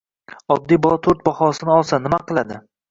Oddiy bola to'rt bahosini olsa, nima qiladi?